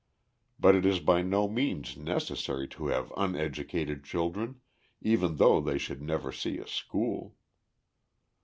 But it is by no means necessary to have uneducated children, even though they should never see a school.